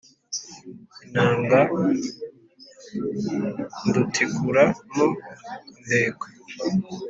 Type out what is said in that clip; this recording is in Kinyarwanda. Inanga ndutikura mo indekwe.